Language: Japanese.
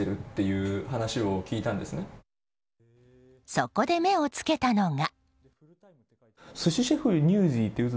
そこで目を付けたのが。